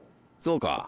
そうか。